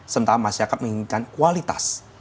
sementara masyarakat menginginkan kualitas